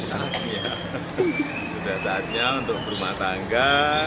sudah saatnya untuk berumah tangga